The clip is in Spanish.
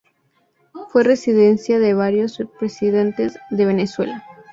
Fue residencia de varios presidentes de Venezuela.